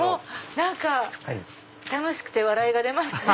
何か楽しくて笑いが出ますね。